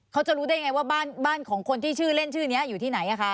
เขาจะรู้ได้ไงว่าบ้านของคนที่ชื่อเล่นชื่อนี้อยู่ที่ไหน